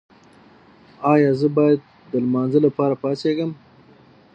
ایا زه باید د لمانځه لپاره پاڅیږم؟